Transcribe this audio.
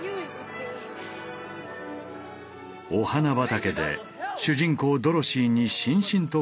お花畑で主人公ドロシーにしんしんと降り積もるこの雪。